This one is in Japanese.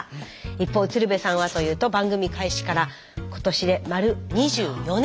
一方鶴瓶さんはというと番組開始から今年で丸２４年。